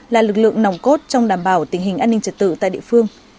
là lực lượng nòng cốt trong đảm bảo tình hình an ninh trật tự tại địa phương